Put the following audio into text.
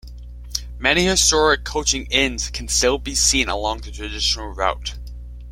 Many historic coaching inns can still be seen along the traditional route.